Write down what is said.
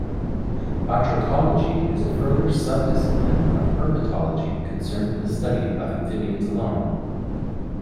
Batrachology is a further subdiscipline of herpetology concerned with the study of amphibians alone.